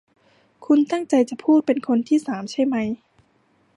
คุณตั้งใจจะพูดเป็นคนที่สามใช่มั้ย